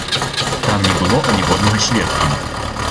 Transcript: Там не было аніводнага сведкі.